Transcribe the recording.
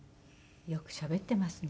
よくしゃべっていますね。